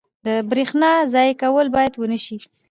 • د برېښنا ضایع کول باید ونه شي.